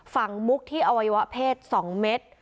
ฟังมุกที่อวัยวะเพศ๒เมตร